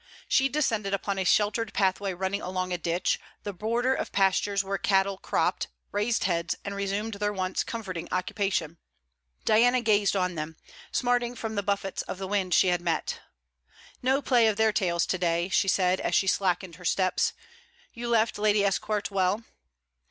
She descended upon a sheltered pathway running along a ditch, the border of pastures where cattle cropped, raised heads, and resumed their one comforting occupation. Diana gazed on them, smarting from the buffets of the wind she had met. 'No play of their tails to day'; she said, as she slackened her steps. 'You left Lady Esquart well?'